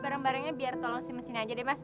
bareng barengnya biar tolong si mesin aja deh mas